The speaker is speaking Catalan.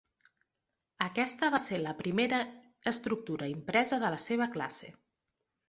Aquesta va ser la primera estructura impresa de la seva classe.